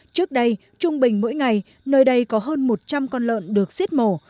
trước đây trung bình mỗi ngày nơi đây có hơn một trăm linh con lợn được giết mổ